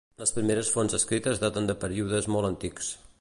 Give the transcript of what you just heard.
Les primeres fonts escrites daten de períodes molt antics.